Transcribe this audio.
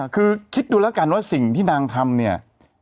คือคิดดูแล้วกันว่าสิ่งที่นางทำเนี่ย